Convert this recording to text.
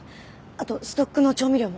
あとストックの調味料も。